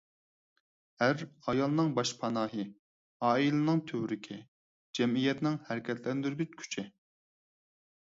ئەر – ئايالنىڭ باشپاناھى، ئائىلىنىڭ تۈۋرۈكى، جەمئىيەتنىڭ ھەرىكەتلەندۈرگۈچ كۈچى.